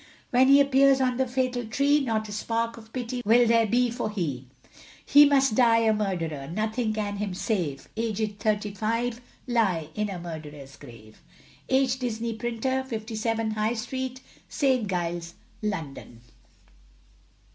When he appears on the fatal tree, Not a a spark of pity will there be for he; He must die a murderer, nothing can him save, Aged thirty five, lie in a murderer's grave. H. Disley, Printer, 57, High Street, St. Giles, London.